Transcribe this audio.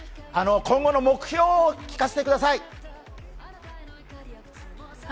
今後の目標を聞かせてください。